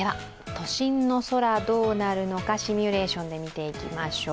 都心の空、どうなるのかシミュレーションで見ていきましょう。